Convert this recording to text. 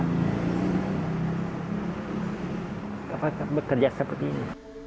bagaimana bisa bekerja seperti ini